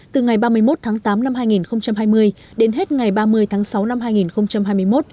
từ ngày ba mươi một tháng tám năm hai nghìn hai mươi đến hết ngày ba mươi tháng sáu năm hai nghìn hai mươi một